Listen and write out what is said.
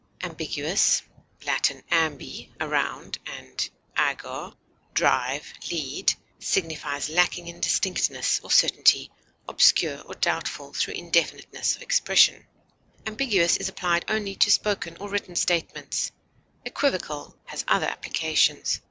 Ambiguous (L. ambi, around, and ago, drive, lead) signifies lacking in distinctness or certainty, obscure or doubtful through indefiniteness of expression. Ambiguous is applied only to spoken or written statements; equivocal has other applications.